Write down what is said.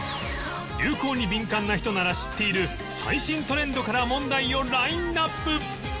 流行に敏感な人なら知っている最新トレンドから問題をラインアップ